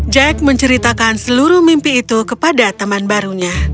jack menceritakan seluruh mimpi itu kepada teman barunya